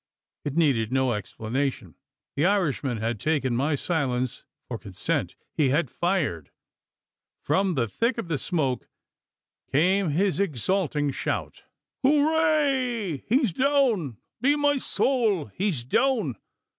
It needed no explanation. The Irishman had taken my silence for consent: he had fired! From the thick of the smoke came his exulting shout: "Hooray! he's down be my sowl! he's down!